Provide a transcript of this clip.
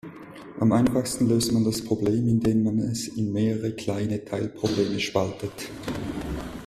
Am einfachsten löst man das Problem, indem man es in mehrere kleine Teilprobleme spaltet.